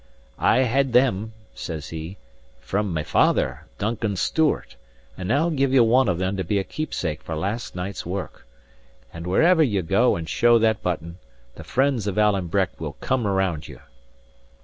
"I had them," says he, "from my father, Duncan Stewart; and now give ye one of them to be a keepsake for last night's work. And wherever ye go and show that button, the friends of Alan Breck will come around you."